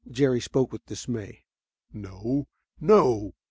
Jerry spoke with dismay. "No, no!"